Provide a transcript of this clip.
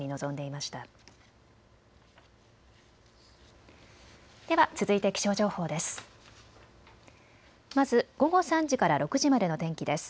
まず午後３時から６時までの天気です。